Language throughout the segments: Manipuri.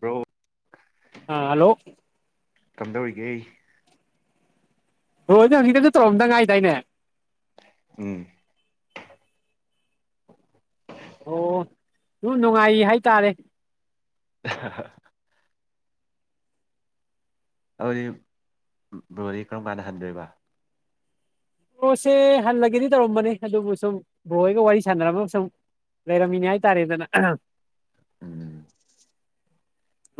꯭ꯔꯣ ꯑꯥ ꯍꯜꯂꯣ ꯀꯝꯗꯧꯔꯤꯒꯦ ꯑꯩ ꯍꯣꯏ ꯅꯪ ꯍꯪꯖꯤꯛꯇꯪꯁꯨ ꯇꯧꯔꯝꯗ ꯉꯥꯏꯗꯥꯏꯅꯦ ꯎꯝ ꯑꯣ ꯑꯗꯨ ꯅꯨꯡꯉꯥꯏ ꯍꯥꯏꯇꯥꯔꯦ [inaudible] ꯑꯗꯨꯗꯤ ꯕꯗꯤ ꯀꯔꯝ ꯀꯥꯟꯗ ꯍꯟꯗꯣꯏꯕ ꯑꯣꯁꯦ ꯍꯜꯂꯒꯦꯗꯤ ꯇꯧꯔꯝꯕꯅꯦ ꯑꯗꯨꯕꯨ ꯁꯨꯝ ꯕꯣꯏꯒ ꯋꯥꯔꯤ ꯁꯥꯟꯅꯔꯝꯃꯒ ꯁꯨꯝ ꯂꯩꯦꯔꯃꯤꯅꯤ ꯍꯥꯏꯎ ꯇꯥꯔꯦ ꯑꯗꯨꯅ ꯎꯝ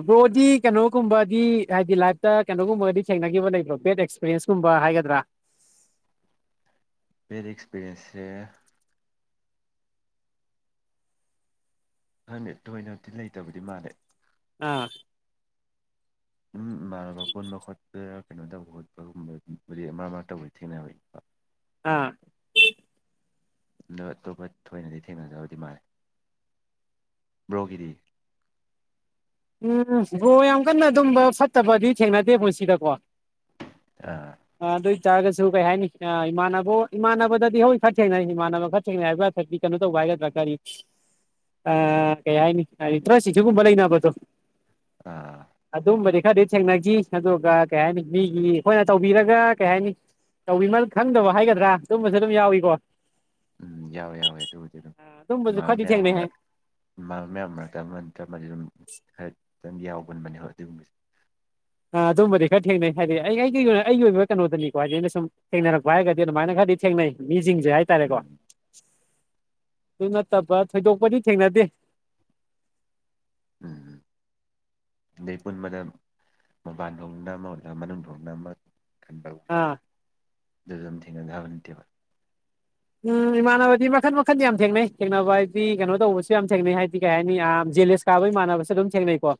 ꯕ꯭ꯔꯣꯗꯤ ꯀꯩꯅꯣꯒꯨꯝꯕꯗꯤ ꯍꯥꯏꯗꯤ ꯂꯥꯏꯐꯇ ꯀꯩꯅꯣꯒꯨꯝꯕꯒꯗꯤ ꯊꯦꯡꯅꯈꯤꯕ ꯂꯩꯕ꯭ꯔꯣ ꯕꯦꯗ ꯑꯦꯛꯄꯤꯔꯟꯁꯀꯨꯝꯕ ꯍꯥꯏꯒꯗ꯭ꯔꯥ ꯄꯔꯤ ꯑꯦꯛꯁꯄꯔꯤꯌꯦꯟꯁꯁ ꯈꯪꯉ ꯇꯣꯏꯅꯕꯨꯗꯤ ꯂꯩꯇꯕꯗꯤ ꯃꯥꯜꯂꯦ ꯑꯥ ꯎꯝ ꯏꯃꯥꯟꯅꯕ ꯈꯣꯟꯕ ꯈꯣꯠꯄ ꯀꯩꯅꯣ ꯇꯧꯕ ꯈꯣꯠꯄꯒꯨꯝꯕꯕꯨꯗꯤ ꯃꯔ ꯃꯔ ꯇꯧꯕꯗꯤ ꯊꯦꯡꯅꯕꯅꯤꯀꯣ ꯑꯥ ꯑ ꯑꯇꯣꯞꯄ ꯊꯣꯏꯅꯗꯤ ꯊꯦꯡꯅꯖꯕꯗꯤ ꯃꯥꯂꯦ ꯕ꯭ꯔꯣꯒꯔꯤ ꯎꯝ ꯕ꯭ꯔꯣ ꯌꯥꯝ ꯀꯟꯅ ꯑꯗꯨꯝꯕ ꯐꯠꯇꯕꯗꯤ ꯊꯦꯡꯅꯗꯦ ꯄꯨꯟꯁꯤꯗꯀꯣ ꯑꯥ ꯑꯗ ꯇꯥꯔꯒꯁꯨ ꯀꯩ ꯍꯥꯏꯅꯤ ꯏꯃꯥꯟꯅꯕ ꯏꯃꯥꯟꯅꯕꯗꯗꯤ ꯍꯣꯏ ꯈꯔ ꯊꯦꯡꯅꯩ ꯏꯃꯥꯟꯅꯕ ꯈꯔ ꯊꯦꯡꯅꯩ ꯍꯥꯏꯕꯥꯊꯛꯇꯗꯤ ꯀꯩꯅꯣ ꯇꯧꯕ ꯍꯥꯏ ꯑ ꯀꯩ ꯍꯥꯏꯅꯤ ꯇ꯭ꯔꯁꯨꯨꯒꯨꯝꯕ ꯂꯩꯅꯕꯗꯨ ꯑꯥ ꯑꯗꯨ ꯑꯗꯨ ꯃꯗꯤ ꯈꯔꯗꯤ ꯊꯦꯡꯅꯈꯤ ꯑꯗꯨꯒ ꯀꯩ ꯍꯥꯏꯅꯤ ꯃꯤꯒꯤ ꯑꯩꯈꯣꯏꯅ ꯇꯧꯕꯤꯔꯒ ꯀꯩ ꯍꯥꯏꯅꯤ ꯇꯧꯕꯤꯃꯜ ꯈꯪꯗꯕ ꯍꯥꯏꯒꯗ꯭ꯔꯥ ꯁꯨꯝꯕꯁꯨ ꯑꯗꯨꯝ ꯌꯥꯎꯏꯀꯣ ꯎꯝ ꯌꯥꯎꯋꯦ ꯌꯥꯎꯋꯦ ꯑꯗꯨꯕꯨꯗꯤ ꯑꯗꯨꯝ ꯑꯗꯨꯝꯕꯁꯨ ꯈꯔꯗꯤ ꯃꯌꯥꯝ ꯊꯦꯡꯅꯩ ꯍꯥꯏ ꯃꯌꯥꯝ ꯃꯔꯛꯇ ꯑꯃ ꯅꯠꯇ ꯃ ꯑꯗꯨꯝ ꯍꯥꯏꯐꯦꯠꯇꯪ ꯌꯥꯎꯒꯟꯕꯅꯦꯕ ꯑꯗꯨꯒꯨꯝꯕꯁꯦ ꯑ ꯑꯗꯨꯝꯕꯗꯤ ꯈꯔ ꯊꯦꯡꯅꯩ ꯍꯥꯏꯗꯤ ꯑꯩ ꯑꯩꯒꯤ ꯑꯣꯏꯅ ꯑꯩꯒꯤ ꯑꯣꯏꯕ ꯀꯩꯅꯣꯗꯅꯤꯀꯣ ꯍꯥꯏꯗꯤ ꯑꯩꯅ ꯁꯨꯝ ꯊꯦꯡꯅꯔꯛꯄ ꯍꯥꯏꯔꯒꯗꯤ ꯑꯗꯨꯃꯥꯏꯅ ꯈꯔꯗꯤ ꯊꯦꯡꯅꯩ ꯃꯤꯁꯤꯡꯁꯦ ꯍꯥꯏꯇꯥꯔꯦꯀꯣ ꯎꯝ ꯑꯗꯨ ꯅꯠꯇꯕ꯭ꯔ ꯊꯣꯏꯗꯣꯛꯄꯗꯤ ꯊꯦꯡꯅꯗꯦ ꯎꯝ ꯑꯩ ꯄꯨꯟꯕꯗ ꯃꯄꯥꯟ ꯐꯣꯡꯅ ꯑꯃꯂ ꯃꯅꯨꯡ ꯍꯣꯡꯅ ꯑꯃ ꯑꯥ ꯗꯝꯕ ꯎꯝ ꯏꯃꯥꯟꯅꯕꯗꯤ ꯃꯈꯟ ꯃꯈꯟꯗꯤ ꯌꯥꯝ ꯊꯦꯡꯅꯩ ꯊꯦꯡꯅꯕ ꯍꯥꯏꯗꯤ ꯀꯩꯅꯣ ꯇꯧꯕꯁꯨ ꯌꯥꯝ ꯊꯦꯡꯅꯩ ꯍꯥꯏꯗꯤ ꯀꯩ ꯍꯥꯏꯅꯤ ꯑꯌꯥꯝ ꯖꯦꯂꯤꯁ ꯀꯥꯕꯩꯃꯥꯟꯅꯕꯁꯦ ꯑꯗꯨꯝ ꯊꯦꯡꯅꯩꯀꯣ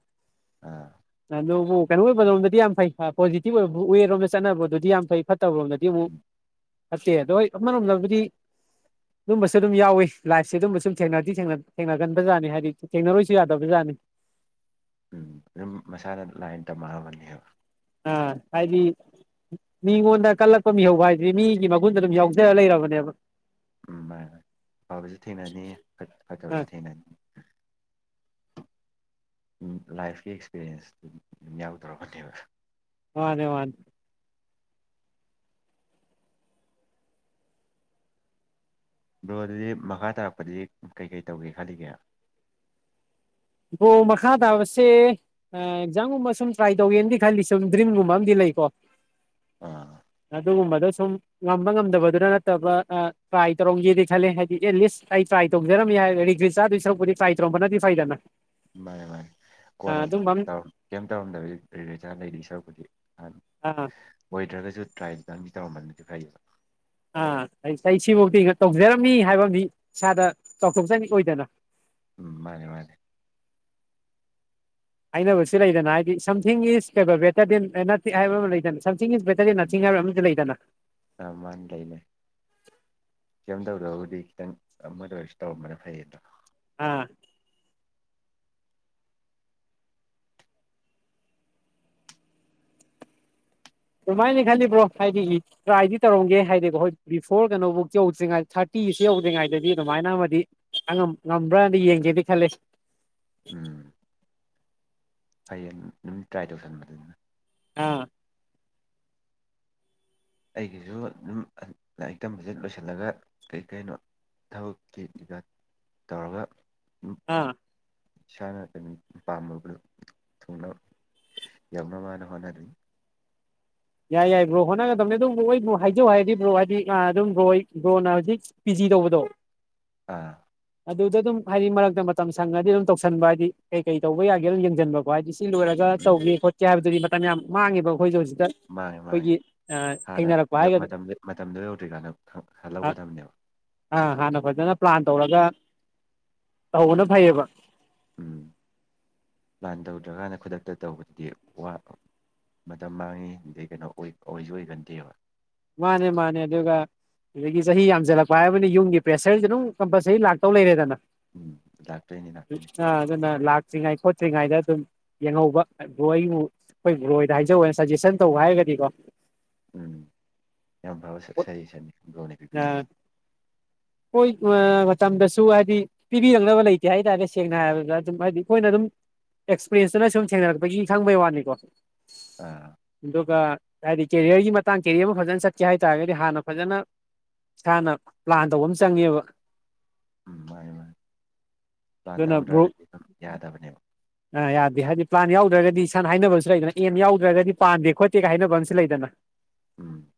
ꯑꯥ ꯑꯗꯨꯕꯨ ꯀꯩꯅꯣ ꯑꯣꯏꯕꯔꯣꯝꯗꯗꯤ ꯌꯥꯝ ꯐꯩ ꯄꯣꯖꯤꯇꯤꯕ ꯑꯣꯏꯕ ꯋꯦꯔꯣꯝꯗ ꯆꯠꯅꯕꯗꯨꯗꯤ ꯌꯥꯝ ꯐꯩ ꯐꯠꯇꯕꯔꯣꯝꯗꯗꯤ ꯑꯃꯨꯛ ꯑꯠꯇꯦ ꯑꯗꯣ ꯃꯅ ꯅꯗꯤ [unintelligible] ꯑꯗꯨꯝꯕꯁꯨ ꯑꯗꯨꯝ ꯌꯥꯎꯏꯤ ꯂꯥꯏꯐꯁꯦ ꯑꯗꯨꯝꯕ ꯁꯨꯝ ꯊꯦꯡꯅꯗꯤ ꯊꯦꯡꯅꯒꯟꯕꯖꯥꯠꯅꯤ ꯍꯥꯏꯗꯤ ꯊꯦꯡꯅꯔꯣꯏꯁꯨ ꯌꯥꯗꯕꯖꯥꯠꯅꯤ ꯎꯝ ꯑꯗꯨꯝ ꯃꯁꯥꯅ ꯂꯥꯏꯟ ꯇꯝꯃꯕꯅꯦꯕ ꯑꯥ ꯍꯥꯏꯗꯤ ꯃꯤꯉꯣꯟꯗ ꯀꯜꯂꯛꯄ ꯃꯤꯍꯧꯕ ꯍꯥꯏꯁꯤ ꯃꯤꯒꯤ ꯃꯒꯨꯟꯗ ꯑꯗꯨꯝ ꯌꯥꯎꯖꯔ ꯂꯩꯔꯕꯅꯦꯕ ꯎꯝ ꯃꯥ ꯐꯐꯕꯁꯨ ꯊꯦꯡꯅꯅꯤ ꯑꯥ ꯐꯠꯇꯕꯁꯨ ꯊꯦꯡꯅꯅꯤ ꯂꯥꯏꯐꯀꯤ ꯑꯦꯛꯁꯄꯤꯔꯤꯌꯦꯟꯁꯇꯨꯝ ꯌꯥꯎꯗꯧꯔꯛꯄꯅꯦꯕ ꯍꯗꯦ ꯃꯥꯗꯦ ꯕ꯭ꯔꯣꯗꯨꯗꯤ ꯃꯈꯥ ꯇꯥꯔꯛꯄꯗꯤ ꯀꯩꯀꯩ ꯇꯧꯒꯦ ꯈꯜꯂꯤꯒꯦ ꯑꯣ ꯃꯈꯥ ꯇꯥꯕꯁꯦ ꯑꯦꯛꯖꯥꯝꯒꯨꯝꯕ ꯁꯨꯝ ꯇ꯭ꯔꯥꯏ ꯇꯧꯒꯦꯅꯗꯤ ꯈꯜꯂꯤ ꯁꯨꯝ ꯗ꯭ꯔꯤꯝꯒꯨꯝꯕ ꯑꯝ ꯂꯩ ꯑꯥ ꯑꯗꯨꯨꯝꯕ ꯁꯨꯝ ꯉꯝꯕ ꯉꯝꯗꯕꯗꯨꯅ ꯅꯠꯇꯕ ꯇ꯭ꯔꯥꯏ ꯇꯧꯔꯝꯒꯦꯗꯤ ꯈꯜꯂꯦ ꯍꯥꯏꯗꯤ ꯑꯦꯠ ꯂꯤꯁ ꯑꯩ ꯇ꯭ꯔꯥꯏ ꯇꯧꯖꯔꯝꯃꯦ ꯥꯕꯨ ꯐꯥꯏ ꯇ ꯔꯣꯝꯕꯕ ꯅꯗꯤ ꯐꯥꯏ ꯇꯗꯅ ꯃꯥꯅꯤ ꯃꯥꯅꯤ ꯀꯣꯟꯅ ꯑꯃ ꯀꯩꯝ ꯇꯧꯔꯝꯗꯕꯖꯥꯔ ꯂꯩꯔꯤ ꯁꯔꯨꯛꯄꯨꯗꯤ ꯑꯥ ꯑꯣꯏꯗ꯭ꯔꯒꯁꯨ ꯇ꯭ꯔꯥꯏꯗꯨꯗꯪꯗꯤ ꯇꯧꯔꯝꯕꯅꯗꯤ ꯐꯩꯌꯦꯕ ꯑꯥ ꯑꯩ ꯑꯩ ꯁꯤꯐꯧꯗꯤꯤ ꯇꯧꯖꯔꯝꯅꯤ ꯍꯥꯏꯕꯝꯗꯤ ꯏꯁꯥꯗ ꯆꯥꯎꯊꯣꯛꯆꯅꯤ ꯑꯣꯏꯗꯅ ꯎꯝ ꯃꯥꯅꯤꯦ ꯃꯥꯅꯤꯦ ꯑꯩꯅꯕꯨ ꯁꯤ ꯂꯩꯗꯅ ꯍꯥꯏꯗꯤ ꯁꯝꯊꯤꯡ ꯏꯁ ꯀꯩꯅꯣ ꯕꯦꯇꯔ ꯗꯦꯟ ꯑꯦꯅꯥꯊꯤꯡ ꯍꯥꯏꯕ ꯑꯃ ꯂꯩꯗꯅ ꯁꯝꯊꯤꯡ ꯏꯁ ꯕꯦꯇꯔꯗꯤ ꯅ ꯆꯤꯡ ꯍꯥꯏꯕ ꯑꯝꯇ ꯂꯩꯗꯅ ꯑ ꯃꯥꯅ ꯂꯩ ꯂꯩꯅꯦ ꯁꯦꯝꯗꯧꯗꯕꯨꯗꯤ ꯈꯤꯇꯪ ꯑꯃꯗ ꯑꯣꯏꯔꯁꯨ ꯇꯧꯔꯝꯕꯅ ꯐꯩꯌꯦ ꯑꯗꯣ ꯑꯥ ꯑꯗꯨꯃꯥꯏꯅ ꯈꯜꯂꯤꯕ꯭ꯔꯣ ꯍꯥꯏꯗꯤ ꯇ꯭ꯔꯥꯏꯗꯤ ꯇꯧꯔꯝꯒꯦ ꯍꯥꯏꯗꯤꯀꯣ ꯍꯣꯏ ꯕꯤꯐꯣꯔ ꯀꯩꯅꯕꯨꯧ ꯌꯧꯗ꯭ꯔꯤꯉꯩꯗ ꯊꯥꯔꯇꯤ ꯐꯁꯤ ꯌꯧꯗ꯭ꯔꯤꯉꯩꯗꯗꯤ ꯑꯗꯨꯃꯥꯏꯅ ꯑꯃꯗꯤ ꯉꯝꯕ꯭ꯔꯅ ꯌꯦꯡꯒꯦꯗꯤ ꯈꯂꯦ ꯎꯝ ꯐꯩꯌꯦ ꯑꯗꯨꯝ ꯇ꯭ꯔꯥꯏ ꯇꯧꯁꯟꯕꯗꯨꯅ ꯑꯥ ꯑꯩꯒꯤꯁꯨ ꯑꯗꯨꯝ ꯂꯥꯏꯔꯤꯛ ꯇꯝꯕꯁꯦ ꯂꯣꯏꯁꯤꯜꯂꯒ ꯀꯔꯤ ꯀꯩꯅꯣ ꯊꯕꯛ ꯊꯤꯂꯤꯕ ꯇꯧꯔꯒ ꯑꯥ ꯏꯁꯥꯅꯇꯅꯤ ꯄꯥꯝꯃꯕꯗꯣ ꯊꯨꯡꯅ ꯌꯧꯅꯕꯅ ꯍꯣꯠꯅꯔꯤ ꯌꯥꯏ ꯌꯥꯏ ꯕ꯭ꯔꯣ ꯍꯣꯠꯅꯒꯗꯕꯅꯤ ꯑꯗꯨꯝ ꯕ꯭ꯔꯣ ꯍꯥꯏꯖꯧ ꯍꯥꯏꯔꯗꯤ ꯕ꯭ꯔꯣ ꯍꯥꯏꯗꯤ ꯑꯗꯨꯝ ꯕ꯭ꯔꯣ ꯕ꯭ꯔꯣꯅ ꯍꯧꯖꯤꯛ ꯄꯤꯖꯤ ꯇꯧꯕꯗꯣ ꯑꯥ ꯑꯗꯨꯗ ꯑꯗꯨꯝ ꯍꯥꯏꯗꯤ ꯃꯔꯛꯇ ꯃꯇꯝ ꯁꯪꯉꯗꯤ ꯑꯗꯨꯝ ꯇꯧꯁꯟꯕ ꯍꯥꯏꯗꯤ ꯀꯩ ꯀꯩ ꯇꯧꯕ ꯌꯥꯒꯦ ꯑꯗꯨꯝ ꯌꯦꯡꯁꯤꯟꯕꯀꯣ ꯍꯥꯏꯗꯤ ꯁꯤ ꯂꯣꯏꯔꯒ ꯎꯝ ꯇꯧꯒꯦ ꯈꯣꯠꯀꯦ ꯍꯥꯏꯕꯗꯨꯗꯤ ꯃꯇꯝ ꯌꯥꯝ ꯃꯥꯡꯉꯦꯕ ꯑꯩꯈꯣꯏꯁꯨ ꯍꯧꯖꯤꯛꯀꯥꯟ ꯃꯥꯡꯉꯦ ꯃꯥꯡꯉꯦ ꯍꯥꯟꯅ ꯍꯥꯏꯒꯗ꯭ꯔꯥ ꯃꯇꯝꯗꯨ ꯃꯇꯝꯗꯨ ꯌꯧꯗ꯭ꯔꯤꯀꯥꯟꯗ ꯈꯜꯍꯧꯒꯗꯕꯅꯦꯕ ꯑꯥ ꯍꯥꯟꯅ ꯐꯖꯅ ꯄ꯭ꯂꯥꯟ ꯇꯧꯔꯒ ꯇꯧꯕꯅ ꯐꯩꯌꯦꯕ ꯎꯝ ꯄ꯭ꯂꯥꯟ ꯇꯧꯗ꯭ꯔꯀꯥꯟꯗ ꯈꯨꯗꯛꯇ ꯇꯧꯕꯗꯨꯗꯤ ꯋꯥ ꯃꯇꯝ ꯃꯥꯡꯉꯤ ꯑꯗꯩ ꯀꯩꯅꯣ ꯑꯣꯏ ꯑꯣꯏꯁꯨ ꯑꯣꯏꯒꯟꯗꯦꯕ ꯃꯥꯅꯦ ꯃꯥꯅꯦ ꯑꯗꯨꯒ ꯑꯗꯒꯤ ꯆꯍꯤ ꯌꯥꯝꯖꯜꯂꯛꯄ ꯍꯥꯏꯕꯅꯤꯅ ꯌꯨꯝꯒꯤ ꯄ꯭ꯔꯦꯁꯔꯁꯦ ꯑꯗꯨꯝ ꯀꯝꯄꯜꯁꯔꯤ ꯂꯥꯛꯇꯧ ꯂꯩꯔꯦꯗꯅ ꯎꯝ ꯂꯥꯛꯇꯣꯏꯅꯤ ꯂꯥꯛꯇꯣꯏꯅꯤ ꯆꯤꯉꯩ ꯈꯣꯠꯇ꯭ꯔꯤꯉꯩꯗ ꯑꯗꯨꯝ ꯌꯦꯡꯍꯧꯕ ꯕ꯭ꯔꯣ ꯑꯩꯕꯨ ꯑꯩꯈꯣꯏ ꯕ꯭ꯔꯣꯗ ꯍꯥꯏꯖꯧꯅ ꯁꯖꯦꯁꯟ ꯇꯧꯕ ꯍꯥꯏꯔꯒꯗꯤ ꯀꯤꯀꯣ ꯎꯝ ꯌꯥꯝ ꯐꯕ ꯁꯩ ꯁꯖꯦꯁꯟ ꯕ꯭ꯔꯣꯅ ꯄꯤꯕꯤꯔꯤꯁꯦ ꯑꯩꯈꯣꯏ ꯃꯇꯝꯗꯁꯨ ꯍꯥꯏꯗꯤ ꯄꯤꯕꯤꯔꯛꯅꯕ ꯂꯩꯇꯦ ꯍꯥꯏꯇꯥꯔꯦ ꯁꯦꯡꯅ ꯍꯥꯏꯔꯕꯗ ꯑꯗꯨꯝ ꯍꯥꯏꯗꯤ ꯑꯩꯈꯣꯏꯅ ꯑꯗꯨꯝ ꯑꯦꯛꯁꯄꯔꯤꯦꯟꯁꯇꯨꯅ ꯁꯨꯝ ꯊꯦꯡꯅꯔꯛꯄꯒꯤ ꯈꯪꯕꯩ ꯋꯥꯅꯤꯀꯣ ꯑꯥ ꯑꯗꯨꯒ ꯍꯥꯏꯗꯤ ꯀꯦꯔꯤꯌꯔꯒꯤ ꯃꯇꯥꯡ ꯀꯦꯔꯤꯌꯔ ꯑꯃ ꯐꯖꯅ ꯆꯠꯀꯦ ꯍꯥꯏꯇꯥꯥꯔꯒꯗꯤ ꯍꯥꯟꯅ ꯐꯖꯅ ꯏꯁꯥꯅ ꯄ꯭ꯂꯥꯟ ꯇꯧꯕ ꯑꯃ ꯆꯪꯉꯦꯕ ꯎꯝ ꯃꯥꯅꯤ ꯃꯥꯅꯤ ꯄ꯭ꯂꯥꯟ ꯑꯗꯨꯅ ꯕ꯭ꯔꯣ ꯇꯍꯧꯗ꯭ꯔꯒꯗꯤ ꯑꯗꯨꯝ ꯌꯥꯗꯕꯅꯦꯕ ꯑ ꯌꯥꯗꯦ ꯍꯥꯏꯗꯤ ꯄ꯭ꯂꯥꯟ ꯌꯥꯎꯗ꯭ꯔꯒꯗꯤ ꯁꯅ ꯍꯥꯏꯅꯕꯁꯨ ꯂꯩꯗꯅ ꯑꯦꯝ ꯌꯥꯎꯗ꯭ꯔꯒꯗꯤ ꯄꯥꯟꯗꯦ ꯈꯣꯠꯇꯦꯒ ꯍꯥꯏꯅꯕ ꯑꯃꯁꯨ ꯂꯩꯗꯅ ꯎꯝ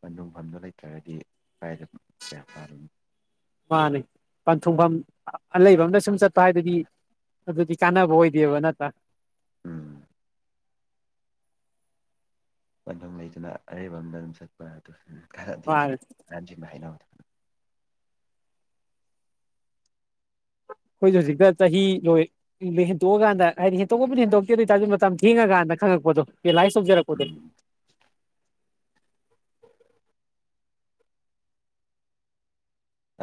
ꯄꯟꯊꯨꯡꯗꯣ ꯂꯩꯇ꯭ꯔꯒꯗꯤ ꯀꯥꯏꯗ ꯀꯌꯥ ꯄꯥꯜꯂꯨꯅꯤ ꯃꯥꯅꯤ ꯄꯟꯊꯨꯡꯐꯝ ꯑ ꯂꯩꯕ ꯑꯃꯇ ꯁꯨꯝ ꯆꯠꯄ ꯍꯥꯏꯕꯗꯤ ꯑꯗꯨꯗꯤ ꯀꯥꯟꯅꯕ ꯑꯣꯏꯗꯦꯕ ꯅꯠꯇ꯭ꯔꯥ ꯎꯝ ꯄꯟꯊꯨꯡ ꯂꯩꯗꯨꯅ ꯑꯔꯩꯕ ꯑꯃꯗ ꯑꯗꯨꯝ ꯆꯠꯄ ꯑꯗꯨ ꯀꯥꯟꯅꯗꯦ ꯃꯥꯅꯤ ꯍꯟꯁꯤꯡꯅ ꯍꯥꯏꯅꯕꯗꯨ [inaudible] ꯑꯩꯈꯣꯏꯁꯨ ꯍꯧꯖꯤꯛꯇ ꯆꯍꯤ ꯂꯣꯏ ꯍꯦꯟꯇꯣꯛꯑꯀꯥꯟꯗ ꯍꯥꯏꯗꯤ ꯍꯦꯟꯇꯣꯛꯄꯕꯨꯗꯤ ꯍꯦꯟꯇꯣꯛꯇꯦ ꯑꯗꯨ ꯑꯣꯏ ꯇꯥꯔꯁꯨ ꯃꯇꯝ ꯊꯦꯡꯉꯀꯥꯟꯗ ꯈꯪꯉꯛꯄꯗꯣ ꯔꯤꯌꯜꯂꯥꯏꯁ ꯇꯧꯖꯔꯛꯄꯗꯨ ꯎꯝ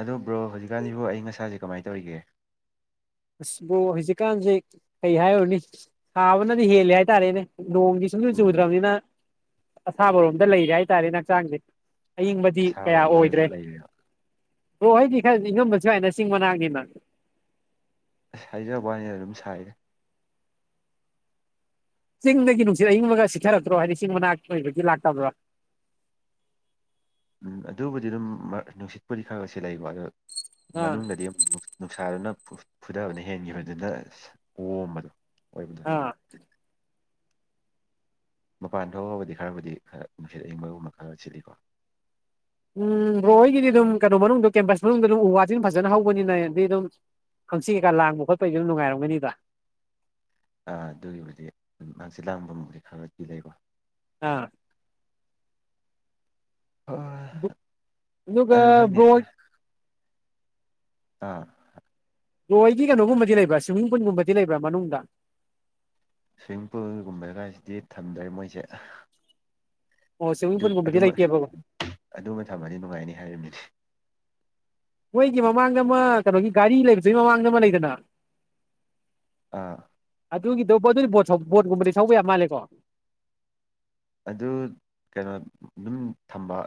ꯑꯗꯨ ꯕ꯭ꯔꯣ ꯍꯧꯖꯤꯛꯀꯥꯟꯁꯤꯕꯨ ꯑꯏꯪ ꯑꯁꯥꯁꯦ ꯀꯃꯥꯏꯅ ꯇꯧꯔꯤꯒꯦ ꯕ꯭ꯔꯣ ꯍꯧꯖꯤꯛꯀꯥꯟꯁꯦ ꯀꯩ ꯍꯥꯏꯔꯨꯔꯅꯤ ꯁꯥꯕꯅꯗꯤ ꯍꯦꯜꯂꯦ ꯍꯥꯏꯇꯥꯔꯦꯅꯦ ꯅꯣꯡꯒꯤ ꯁꯨꯡꯆꯨ ꯎꯝ ꯆꯨꯗ꯭ꯔꯕꯅꯤꯅ ꯑꯁꯥꯕꯔꯣꯝꯗ ꯂꯩꯔꯦ ꯍꯥꯏꯇꯥꯔꯦ ꯍꯛꯆꯥꯡꯁꯦ ꯑꯏꯪꯕꯗꯤ ꯀꯌꯥ ꯑꯁꯥꯕꯔꯣꯝꯗ ꯑꯣꯏꯗ꯭ꯔꯦ ꯂꯩꯔꯤꯔꯣ ꯕ꯭ꯔꯣ ꯍꯣꯏꯗꯤ ꯈꯔ ꯏꯉꯝꯕꯁꯨ ꯌꯥꯏꯅ ꯆꯤꯡ ꯃꯅꯥꯛꯅꯤꯅ ꯑꯁ ꯍꯥꯏꯖꯕ ꯋꯥꯅꯤ ꯑꯗꯨꯝ ꯁꯥꯏꯗ ꯆꯤꯡꯗꯒꯤ ꯅꯨꯡꯁꯤꯠ ꯑꯌꯤꯡꯕꯒ ꯁꯤꯠꯊꯔꯛꯇ꯭ꯔꯣ ꯍꯥꯏꯗꯤ ꯆꯤꯡ ꯃꯅꯥꯛꯛꯇ ꯑꯣꯏꯕꯒꯤ ꯂꯥꯛꯇꯕ꯭ꯔꯥ ꯎꯝ ꯑꯗꯨꯕꯨꯗꯤ ꯑꯗꯨꯝ ꯅꯨꯡꯁꯤꯠꯄꯨꯗꯤ ꯈꯔꯒ ꯁꯤꯠꯂꯛꯏ ꯑꯗꯣ ꯑꯥ ꯃꯅꯨꯡꯗꯗꯤ ꯑꯃꯨꯛ ꯅꯨꯡꯁꯥꯗꯨꯅ ꯐꯨꯊꯕꯗ ꯍꯦꯟꯈꯤꯕꯗꯨꯅ ꯑꯣꯝꯕꯗꯣ ꯑꯣꯏꯕꯗꯣ ꯑꯥ ꯃꯄꯥꯟ ꯊꯣꯛꯑꯕꯨꯗꯤ ꯈꯔꯕꯨꯗꯤ ꯈꯔ ꯅꯨꯡꯁꯤꯠ ꯑꯏꯪꯕꯒꯨꯝꯕ ꯈꯔ ꯁꯤꯠꯂꯤꯀꯣ ꯎꯝ ꯕ꯭ꯔꯣ ꯍꯣꯏꯒꯤꯗꯤ ꯑꯗꯨꯝ ꯀꯩꯅꯣ ꯃꯅꯨꯡꯗ ꯀꯦꯝꯄꯁ ꯃꯅꯨꯡꯗ ꯑꯗꯨꯝ ꯎ ꯋꯥꯁꯤ ꯑꯗꯨꯝ ꯐꯖꯅ ꯍꯧꯕꯅꯤꯅ ꯑꯗꯨꯗꯤ ꯑꯗꯨꯝ ꯈꯪꯁꯤ ꯀꯩꯀ ꯂꯥꯡꯕ ꯈꯣꯠꯄꯒꯤꯗꯨꯅ ꯅꯨꯡꯉꯥꯏꯔꯝꯒꯅꯤꯗ ꯑꯗꯨꯒꯤꯕꯨꯗꯤ ꯍꯥꯡꯆꯤꯛ ꯂꯥꯡꯐꯝꯕꯨꯗꯤ ꯈꯔꯗꯤ ꯂꯩꯕꯣ ꯑꯥ ꯍꯣꯏ ꯑꯗꯨꯒ ꯑꯗꯣ ꯈꯪꯗꯦ ꯕ꯭ꯔꯣ ꯑꯥ ꯂꯣꯏꯗꯤ ꯀꯩꯅꯣꯒꯨꯝꯕꯗꯤ ꯂꯩꯕ꯭ꯔꯥ ꯁ꯭ꯋꯤꯝꯃꯤꯡ ꯄꯨꯜꯒꯨꯝꯕꯗꯤ ꯂꯩꯕ꯭ꯔꯥ ꯃꯅꯨꯡꯗ ꯁ꯭ꯋꯤꯃꯤꯡ ꯄꯨꯜꯒꯨꯝꯕ ꯀꯁꯤꯗꯤ ꯊꯝꯗ꯭ꯔꯦ ꯃꯣꯏꯁꯦ ꯑꯣ ꯁ꯭ꯋꯤꯃꯤꯡ ꯄꯨꯜꯒꯨꯝꯕꯗꯤ ꯂꯩꯇꯦꯕꯀꯣ ꯑꯗꯨꯃ ꯊꯝꯃꯗꯤ ꯅꯨꯡꯉꯥꯏꯅꯤ ꯍꯥꯏꯔꯤꯕꯝꯅꯤꯗꯤ ꯃꯣꯏꯒꯤ ꯃꯃꯥꯡꯗ ꯑꯃ ꯀꯩꯅꯣꯒꯤ ꯒꯥꯔꯤ ꯂꯩꯕꯗꯨꯒꯤ ꯃꯃꯥꯡꯗ ꯑꯃ ꯂꯩꯗꯅ ꯑꯥ ꯑꯗꯨꯒꯤꯗ ꯑꯗꯨꯗꯤꯠ ꯕꯣꯠꯀꯨꯝꯕꯗꯤ ꯁꯧꯕ ꯌꯥꯝ ꯃꯥꯜꯂꯦꯀꯣ ꯑꯗꯨ ꯀꯩꯅꯣ ꯑꯗꯨꯝ ꯊꯝꯕ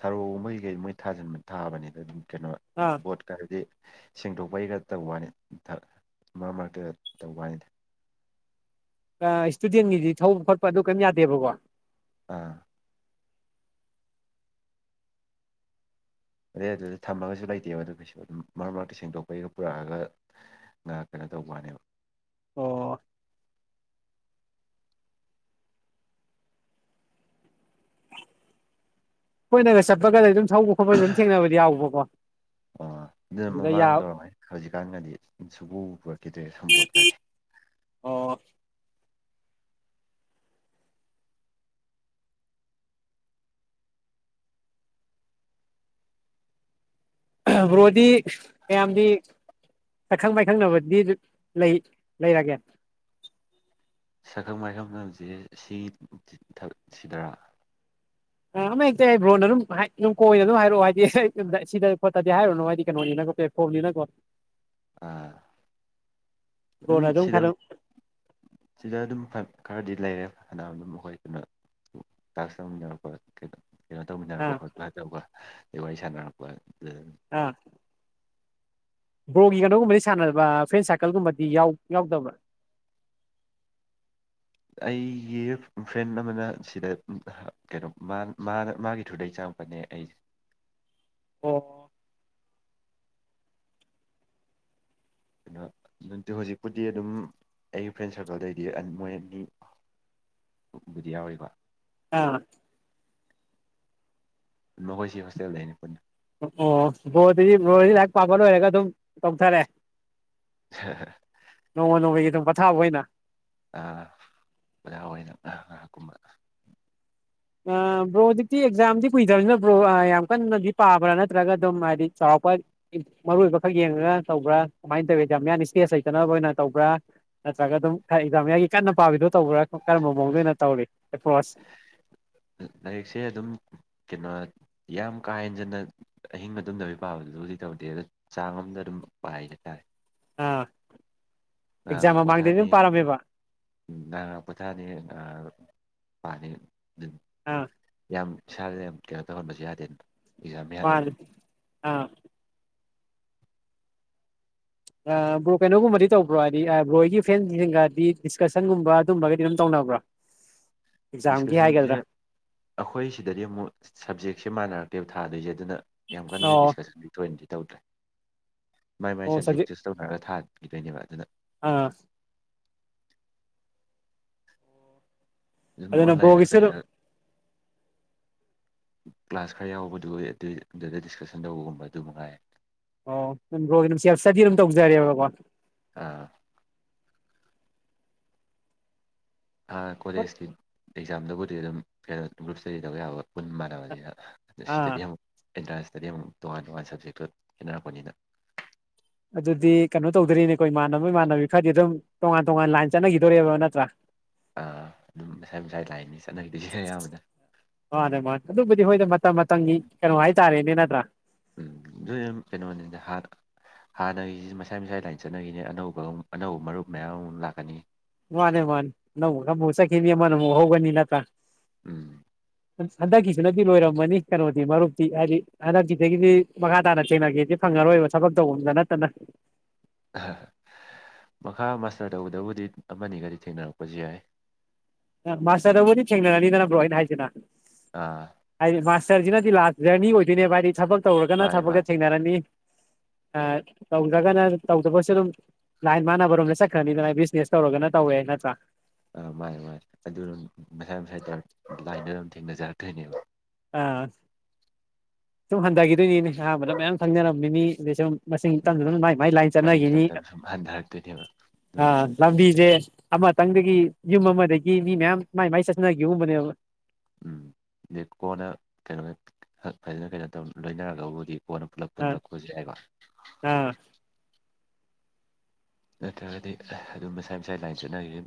ꯊꯔꯣꯒꯨꯝꯕꯩ ꯀꯩ ꯃꯣꯏ ꯊꯥꯖꯤꯟꯕ ꯊꯥꯕꯅꯤꯗ ꯑꯗꯨꯝ ꯀꯩꯅꯣ ꯑꯥ ꯕꯣꯠꯀ ꯍꯥꯏꯔꯗꯤ ꯁꯦꯡꯗꯣꯛꯄꯩ ꯈ ꯇꯧꯕ ꯋꯥꯅꯤ ꯃꯔꯛ ꯃꯔꯛꯇꯒ ꯇꯧꯕ ꯋꯥꯅꯤ ꯏꯁꯇꯨꯗꯦꯟꯒꯤꯗꯤ ꯊꯧꯕ ꯈꯣꯠꯄ ꯑꯗꯨ ꯀꯩꯝ ꯌꯥꯗꯦꯕꯀꯣ ꯑꯥ ꯑꯗꯩ ꯑꯗꯨꯗ ꯊꯝꯃꯒꯁꯨ ꯂꯩꯇꯦꯕ ꯑꯗꯨ ꯀꯩꯁꯨ ꯑꯗꯨꯝ ꯃꯔꯛ ꯃꯔꯛꯇ ꯁꯦꯡꯗꯣꯛꯄꯩꯒ ꯄꯨꯔꯛꯑꯒ ꯀꯩꯅꯣ ꯇꯧꯕꯅꯦꯕ ꯑꯣ ꯀꯣꯏꯅꯒ ꯆꯠꯄꯒꯗꯤ ꯑꯗꯨꯝ ꯊꯧꯕ ꯈꯣꯠꯄꯗ ꯑꯗꯨꯝ ꯊꯦꯡꯅꯕꯗꯤ ꯌꯥꯎꯕꯀꯣ ꯑꯣ ꯑꯗꯨꯅ ꯑꯗꯨꯗ ꯌꯥ ꯃꯃꯥꯡꯗꯧꯔꯝꯅꯤ ꯍꯧꯖꯤꯛꯀꯥꯟꯒꯗꯤ ꯁꯨꯕꯨ ꯄꯨꯔꯛꯈꯤꯗ꯭ꯔꯦ ꯁꯨꯝꯄꯣꯠꯀꯅꯤ [inaudible] ꯑꯣ ꯕ꯭ꯔꯣꯗꯤ ꯃꯌꯥꯝꯗꯤ ꯁꯛꯈꯪ ꯃꯥꯏꯈꯪꯅꯕꯗꯤ ꯂꯩ ꯂꯩꯔꯒꯦ ꯁꯛꯈꯪ ꯃꯥꯏꯈꯪ ꯃꯁꯦ ꯁꯤ ꯁꯤꯗꯔꯥ ꯑ ꯑꯃ ꯍꯦꯛꯇ ꯑꯩ ꯕ꯭ꯔꯣꯟꯅ ꯑꯗꯨꯝꯝ ꯀꯣꯏꯅ ꯑꯗꯨꯝ ꯍꯥꯏꯔꯛꯑꯣ ꯍꯥꯏꯗꯤ ꯁꯤꯗ ꯈꯣꯠꯇꯗꯤ ꯍꯥꯏꯔꯨꯅꯨ ꯍꯥꯏꯗꯤ ꯀꯩꯅꯣꯅꯤ ꯅꯪ ꯐꯂꯤꯅꯒꯣ ꯑꯥ ꯑꯗꯨꯝ ꯕ꯭ꯔꯣꯅ ꯁꯤꯗ ꯈꯔ ꯁꯤꯗ ꯑꯗꯨꯝ ꯈꯔꯗꯤ ꯂꯩꯔꯦ ꯑꯅꯅ ꯃꯈꯣꯏꯗꯨꯅ ꯆꯥꯛꯁꯃꯤꯟꯅꯔꯛꯄ ꯀꯩꯅꯣ ꯀꯩꯅꯣ ꯇꯧꯃꯤꯟꯅꯔꯛꯄ ꯑꯥ ꯈꯣꯠꯄ ꯇꯧꯕ ꯑꯗ ꯋꯥꯔꯤ ꯁꯥꯟꯅꯔꯛꯄ ꯑꯥ ꯕ꯭ꯔꯣꯒꯤ ꯀꯩꯅꯣꯒꯨꯝꯕꯗꯤ ꯁꯥꯟꯅꯕ ꯐ꯭ꯔꯦꯟ ꯁꯥꯔꯀꯜꯒꯨꯝꯕꯗꯤ ꯌꯥ ꯌꯥꯎꯗꯕ꯭ꯔꯥ [inaudible] ꯑꯩꯒꯤ ꯐ꯭ꯔꯦꯟ ꯑꯃꯅ ꯁꯤꯗ ꯀꯩꯅꯣ ꯃꯥ ꯃꯥꯅ ꯃꯥꯒꯤ ꯊ꯭ꯔꯨꯗꯩ ꯆꯪꯉꯛꯄꯅꯤ ꯑꯩ ꯑꯣ ꯑꯗꯨ ꯅꯠꯇ ꯍꯧꯖꯤꯛꯄꯨꯗꯤ ꯑꯗꯨꯝ ꯑꯩꯒꯤ ꯐ꯭ꯔꯦꯟ ꯁꯥꯔꯀꯜꯗꯩꯗꯤ ꯃꯣꯏ ꯑꯅꯤꯕꯨꯗꯤ ꯌꯥꯎꯔꯤꯕ ꯑꯥ ꯃꯈꯈꯣꯏ ꯁꯤ ꯍꯣꯁꯇꯦꯜ ꯂꯩꯅꯤ ꯄꯨꯟꯅ ꯑꯣ ꯣꯗꯤ ꯔꯣ ꯂꯥꯏꯍꯥꯛ ꯄꯥꯕ ꯂꯣꯏꯔꯒ ꯑꯗꯨꯝ ꯇꯧꯊꯔꯦ ꯅꯣꯡꯃ ꯅꯣꯡꯃꯒꯤ ꯑꯗꯨꯝ ꯄꯊꯥꯕ ꯑꯣꯏꯅ ꯑꯣꯖꯥ ꯑꯣꯏꯅ ꯉꯍ ꯀꯨꯝꯕ ꯕ꯭ꯔꯣ ꯍꯧꯖꯤꯛꯇꯤ ꯑꯦꯛꯖꯥꯝꯗꯤ ꯀꯨꯏꯗꯕꯅꯤꯅ ꯕ꯭ꯔꯣ ꯌꯥꯝ ꯀꯟꯅꯗꯤ ꯄꯥꯕ꯭ꯔꯥ ꯅꯠꯇ꯭ꯔꯒ ꯑꯗꯨꯝ ꯍꯥꯏꯗꯤ ꯆꯥꯎ ꯇ ꯃꯔꯨꯑꯣꯏꯕ ꯈꯛ ꯌꯦꯡꯉꯒ ꯇꯧꯕ꯭ꯔꯥ ꯀꯃꯥꯏꯅ ꯇꯧꯋꯤ ꯌꯥꯝꯌꯥꯟ ꯏꯁꯇꯦꯖ ꯂꯩꯇꯅꯕ ꯑꯣꯏꯅ ꯇꯧꯕ꯭ꯔꯥ ꯅꯠꯇ꯭ꯔꯒ ꯑꯗꯨꯝ ꯈꯔ ꯑꯦꯛꯖꯥꯝ ꯌꯥꯒꯤ ꯀꯟꯅ ꯄꯥꯕꯤꯗꯣ ꯇꯧꯕ꯭ꯔꯥ ꯀꯔꯝꯕ ꯃꯑꯣꯡꯗ ꯑꯣꯏꯅ ꯇꯧꯔꯤ ꯑꯦꯄ꯭ꯔꯣꯁ ꯂꯥꯏꯔꯤꯛꯁꯦ ꯑꯗꯨꯝ ꯀꯩꯅꯣ ꯌꯥꯝ ꯀꯥ ꯍꯦꯟꯖꯟꯅ ꯑꯍꯤꯡ ꯃꯇꯨꯡꯗꯕꯨ ꯄꯥꯕꯗꯨꯁꯨꯕꯨꯖꯤꯛ ꯇꯧꯗꯦ ꯑꯗꯣ ꯆꯥꯡ ꯑꯃꯝꯗ ꯑꯗꯨꯝ ꯄꯥꯏ ꯍꯥꯏꯇꯥꯔꯦ ꯑꯥ ꯉ ꯉ ꯑꯦꯛꯖꯥꯝ ꯃꯃꯥꯡꯗꯗꯤ ꯄꯣꯊꯥꯗꯤꯦ ꯑꯗꯨꯝ ꯄꯥꯔꯝꯃꯦꯕ ꯉꯥꯡ ꯉ ꯄꯣꯊꯥꯗꯦ ꯉ ꯄꯥꯅꯤ ꯑꯗꯨ ꯑꯥ ꯌꯥꯝ ꯏꯁꯥꯗ ꯌꯥꯝ ꯀꯦꯌꯔ ꯇꯧꯍꯟꯕꯁꯨ ꯌꯥꯗꯦꯅ ꯑꯦꯛꯖꯥꯝ ꯃꯌꯥꯅꯤꯅ ꯃꯥꯟꯗꯤ ꯑꯥ ꯑ ꯕ꯭ꯔꯣ ꯀꯩꯅꯣꯒꯨꯝꯕꯗꯤ ꯇꯧꯕ꯭ꯔꯣ ꯑꯥꯏꯗꯤ ꯑ ꯕ꯭ꯔꯣꯏꯒꯤ ꯐꯦꯟꯖꯤꯡꯒꯗꯤ ꯗꯤꯁꯀꯁꯟꯒꯨꯝꯕ ꯑꯗꯨꯝꯕꯒꯗꯤ ꯑꯗꯨꯝ ꯇꯧꯅꯕ꯭ꯔꯣ [inaudible] ꯑꯦꯛꯖꯥꯝꯒꯤ ꯗꯤꯁꯀꯁꯟꯖꯦ ꯍꯥꯏꯒꯗ꯭ꯔꯥ ꯑꯈꯣꯏ ꯁꯤꯗꯗꯤ ꯑꯃꯨ ꯁꯞꯖꯦꯛꯁꯦ ꯃꯥꯅꯔꯛꯇꯦꯕ ꯊꯥꯗꯣꯏꯁꯦ ꯑꯗꯨꯅ ꯌꯥꯝ ꯀꯟꯅ ꯑꯣ ꯗꯤꯁꯀꯁꯟꯒꯤ ꯊꯣꯏꯅꯗꯤ ꯇꯧꯗ꯭ꯔꯦ ꯃꯥꯏ ꯃꯥꯏ ꯑꯣ ꯁꯞꯖꯦꯛ ꯁꯕꯖꯦꯛ ꯆꯨꯁ ꯇꯧꯅꯔꯒ ꯊꯥꯗ ꯗꯣꯏꯅꯦꯕ ꯑꯗꯨꯅ ꯑꯥ ꯑꯗꯨꯝ ꯑꯗꯨꯅ ꯑꯣꯟꯂꯥꯏꯟꯗ ꯕ꯭ꯔꯣꯒꯤꯁꯨ ꯑꯗꯨꯝ ꯀꯩꯗ ꯀ꯭ꯂꯥꯁ ꯈꯔ ꯌꯥꯎꯕꯗꯨ ꯑꯗꯩ ꯑꯗꯨꯗ ꯗꯤꯁꯀꯁꯟ ꯇꯧꯕꯒꯨꯝꯕ ꯑꯗꯨ ꯃꯉꯥꯏ ꯑꯣ ꯅꯟ ꯕꯔꯣ ꯒꯤꯗꯨꯝ ꯁꯦꯜꯁ ꯏꯁꯇꯗꯤ ꯑꯗꯨꯝ ꯇꯧꯖꯔꯦꯕꯀꯣ ꯑꯥ ꯑꯥ ꯀꯣꯂꯦꯖꯀꯤ ꯑꯦꯛꯖꯥꯝꯗꯕꯨꯗꯤ ꯑꯗꯨꯝ ꯐꯦꯔꯠ ꯒ꯭ꯔꯨꯞ ꯏꯁ꯭ꯇꯗꯤ ꯇꯧꯕ ꯌꯥꯕ ꯄꯨꯟ ꯃꯥꯟꯅꯕꯅꯤꯅ ꯑꯗꯨ ꯁꯤꯗꯗꯤ ꯑꯥ ꯑꯃꯨꯛ ꯑꯤꯟꯇ꯭ꯔꯥꯟꯁꯇꯗꯤ ꯑꯃꯨꯛ ꯇꯣꯉꯥꯟ ꯇꯣꯉꯥꯟ ꯁꯕꯖꯦꯛꯇꯣ ꯈꯦꯠꯅꯔꯛꯄꯅꯤꯅ ꯑꯗꯨꯗꯤ ꯀꯅꯣ ꯇꯧꯗꯣꯔꯤꯅꯦꯀꯣ ꯏꯃꯥꯟꯅꯕ ꯏꯃꯥꯟꯅꯕꯤ ꯈꯔꯗꯤ ꯑꯗꯨꯝ ꯇꯣꯉꯥꯟ ꯇꯣꯉꯥꯟ ꯂꯥꯏꯟ ꯆꯠꯅꯒꯤꯗꯣꯔꯤꯕ ꯅꯠꯇ꯭ꯔꯥ ꯑ ꯑꯗꯨꯝ ꯃꯁꯥꯏ ꯃꯁꯥꯏ ꯂꯥꯏꯟꯅꯤ ꯆꯠꯅꯒꯤꯗꯣꯏꯁꯦ ꯑꯌꯥꯝꯕꯅ ꯃꯥꯅꯦ ꯃꯥꯅꯦ ꯑꯗꯨꯕꯨꯗꯤ ꯍꯈꯣꯏꯗ ꯃꯇꯝ ꯃꯇꯝꯒꯤ ꯀꯩꯅꯣ ꯍꯥꯏꯇꯥꯔꯦꯅꯦ ꯅꯠꯇ꯭ꯔꯥ ꯎꯝ ꯗꯨꯏꯝ ꯀꯩꯅꯣꯅꯤꯗ ꯍꯥꯅ ꯍꯥꯟꯅꯏ ꯃꯁꯥꯏ ꯃꯁꯥ ꯂꯥꯏꯅ ꯆꯠꯅꯒꯤꯅꯦ ꯑꯅꯧꯕ ꯑꯃꯨ ꯑꯅꯧꯕ ꯃꯔꯨꯞ ꯃꯌꯥꯝ ꯑꯃꯨ ꯂꯥꯛꯀꯅꯤ ꯃꯥꯅꯦ ꯃꯥꯟ ꯅꯧꯕ ꯈꯥꯕꯨ ꯆꯠꯈꯤꯅꯤ ꯑꯃ ꯅ ꯍꯧꯒꯅꯤ ꯅꯇ ꯎꯝ ꯍꯟꯗꯛꯀꯤꯁꯤꯅꯗꯤ ꯂꯣꯏꯔꯝꯃꯅꯤ ꯀꯩꯅꯣꯗꯤ ꯃꯔꯨꯞꯇꯤ ꯍꯥꯏꯗꯤ ꯍꯟꯗꯛꯀꯤꯗꯒꯤꯗꯤ ꯃꯈꯥ ꯇꯥꯅ ꯆꯦꯡꯅꯒꯦꯗꯤ ꯐꯪ ꯑꯔꯣꯏꯕ ꯊꯕꯛ ꯇꯧꯕꯝꯗ ꯅꯠꯇꯅ ꯑꯍ ꯃꯈꯥ ꯃꯥꯁꯇꯔ ꯇꯧꯕꯗꯕꯨꯗꯤ ꯑꯃꯅꯤꯒꯗꯤ ꯊꯦꯡꯅꯔꯛꯄꯁꯨ ꯌꯥꯏ ꯃꯥꯁꯇꯔꯗꯕꯨꯗꯤ ꯊꯦꯡꯅꯔꯅꯤꯗꯅ ꯕ꯭ꯔꯣ ꯑꯩꯅ ꯍꯥꯏꯁꯤꯅ ꯑꯥ ꯍꯥꯏꯗꯤ ꯃꯥꯁ ꯍꯧꯖꯤꯅꯗꯤ ꯂꯥꯛ ꯖꯔꯅꯤ ꯑꯣꯏꯗꯣꯏꯅꯦꯕ ꯍꯥꯏꯗꯤ ꯊꯕꯛ ꯇꯧꯔꯒꯅ ꯃꯥꯅꯦ ꯃꯥꯅꯦ ꯊꯕꯛꯇ ꯊꯦꯡꯅꯔꯅꯤ [inaudible] ꯑ ꯇꯧꯗꯔꯒꯅ ꯇꯧꯗꯕꯁꯨ ꯑꯗꯨꯝ ꯂꯥꯏꯟ ꯃꯥꯟꯅꯕꯔꯣꯝꯗ ꯆꯠꯈ꯭ꯔꯅꯤꯗꯅ ꯕꯤꯖꯅꯦꯁ ꯇꯧꯔꯒꯅ ꯇꯧꯋꯦ ꯅꯠꯇꯔꯥ ꯑ ꯃꯥꯌꯦ ꯃꯥꯥꯏ ꯑꯗꯨꯝ ꯃꯁꯥꯏ ꯃꯁꯥꯏꯗ ꯂꯥꯏꯟꯗꯨꯗ ꯑꯗꯨꯝ ꯊꯦꯡꯅꯖꯔꯛꯇꯣꯏꯅꯦꯕ ꯑꯥ ꯁꯨꯝ ꯍꯟꯗꯒꯤꯗꯣꯏꯅꯤꯅꯦ ꯑꯍꯥꯟꯕꯗ ꯃꯌꯥꯝ ꯈꯪꯅꯔꯝꯃꯤꯅꯤ ꯃꯤ ꯃꯤꯁꯨꯝ ꯃꯁꯤꯡ ꯎꯝ ꯇꯝꯗꯨꯅ ꯃꯥꯏ ꯃꯥꯏ ꯂꯥꯏꯟ ꯃꯁꯤꯡ ꯇꯞ ꯆꯠꯅꯒꯤꯅꯤ ꯇꯞꯅ ꯁꯨꯝ ꯍꯟꯊꯔꯛꯇꯣꯏꯅꯦꯕ ꯑ ꯑꯗꯨꯕꯨꯗꯤ ꯂꯝꯕꯤꯖꯦ ꯑꯃꯇꯪꯗꯒꯤ ꯌꯨꯝ ꯑꯃꯗꯒꯤ ꯃꯤ ꯃꯌꯥꯝ ꯃꯥꯏ ꯃꯥꯏ ꯆꯠꯅꯒꯤꯕꯒꯨꯝꯕꯅꯦꯕ ꯎꯝ ꯂꯦꯠ ꯀꯣꯅ ꯀꯩꯅꯣꯅꯠ ꯍꯛ ꯐꯖꯅ ꯀꯩꯅꯣ ꯇꯧ ꯂꯣꯏꯅꯔꯒꯕꯨꯗꯤ ꯑꯥ ꯋꯥꯅꯄꯨꯂꯠꯄꯗ ꯈꯣꯏꯖꯦ ꯍꯥꯏꯒ ꯑꯥ ꯅꯠꯇ꯭ꯔꯒꯗꯤ ꯑꯗꯨꯝ ꯃꯁꯥꯏ ꯃꯁꯥꯏ ꯂꯥꯏꯟ ꯁꯨꯠꯅꯒꯤꯟ